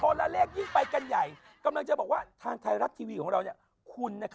ละเลขยิ่งไปกันใหญ่กำลังจะบอกว่าทางไทยรัฐทีวีของเราคุณ